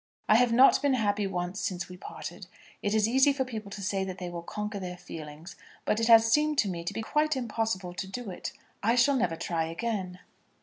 I have not been happy once since we parted. It is easy for people to say that they will conquer their feelings, but it has seemed to me to be quite impossible to do it. I shall never try again.